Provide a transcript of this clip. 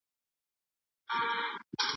اګوستين وايي چي تاريخ د روحه په لاس کي دی.